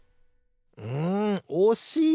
んおしい！